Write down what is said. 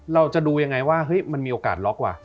เราจะดูยังไงว่าเฮ้ยมันมีโอกาสล็อกว่ะ